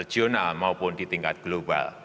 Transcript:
regional maupun di tingkat global